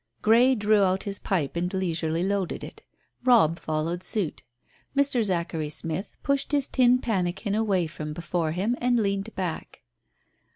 Grey drew out his pipe and leisurely loaded it. Robb followed suit. Mr. Zachary Smith pushed his tin pannikin away from before him and leaned back.